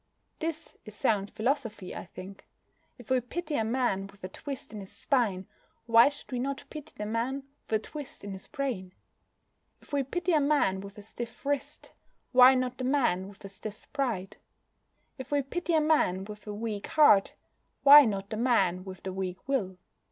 This is sound philosophy, I think. If we pity a man with a twist in his spine, why should we not pity the man with a twist in his brain? If we pity a man with a stiff wrist, why not the man with a stiff pride? If we pity a man with a weak heart, why not the man with the weak will?